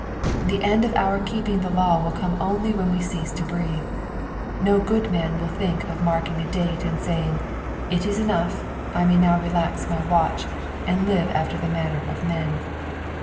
'* The end of our keeping the law will come only when we cease to breathe ; no good man will think of marking a date and saying, It is enough, I may now relax my watch, and live after the manner of men.'